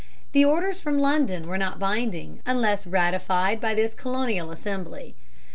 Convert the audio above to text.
The orders from London were not binding unless ratified by this Colonial Assembly.